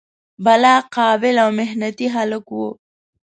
بلا قابل او محنتي هلک و.